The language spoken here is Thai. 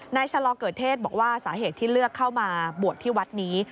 ชะลอเกิดเทศบอกว่าสาเหตุที่เลือกเข้ามาบวชที่วัดนี้